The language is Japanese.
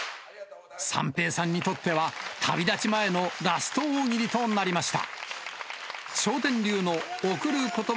三平さんにとっては、旅立ち前のラスト大喜利となりました。